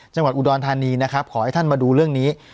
จังหวัดอุดรธานีนะครับขอให้ท่านมาดูเรื่องนี้